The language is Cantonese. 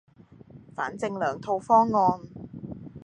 反正兩套方案